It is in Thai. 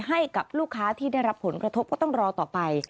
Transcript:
ให้กับลูกค้าที่ได้รับผลกระทบก็ต้องรอต่อไป